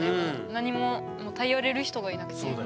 何も頼れる人がいなくて。